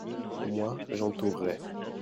moi, j'entourerai.